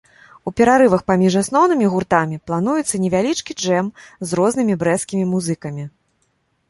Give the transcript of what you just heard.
У перарывах паміж асноўнымі гуртамі плануецца невялічкі джэм з рознымі брэсцкімі музыкамі.